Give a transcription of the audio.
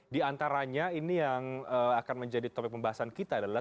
di antaranya ini yang akan menjadi topik pembahasan kita adalah